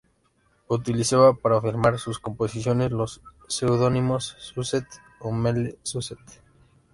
Utilizaba para firmar sus composiciones los seudónimos "Suzette" o "Mlle Suzette".